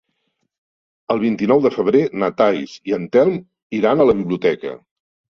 El vint-i-nou de febrer na Thaís i en Telm iran a la biblioteca.